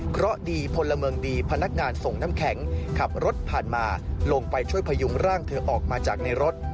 เพราะดีพลเมืองดีพนักงานส่งน้ำแข็งขับรถผ่านมาลงไปช่วยพยุงร่างเธอออกมาจากในรถ